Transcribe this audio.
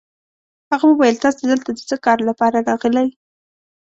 هغه وویل: تاسي دلته د څه کار لپاره راغلئ؟